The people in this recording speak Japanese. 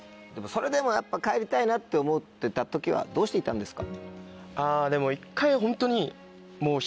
それでもやっぱ帰りたいなって思ってた時はどうしていたんですか？